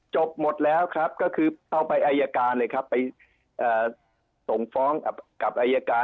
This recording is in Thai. จบหมดแล้วครับก็คือเอาไปอายการเลยครับไปส่งฟ้องกับอายการ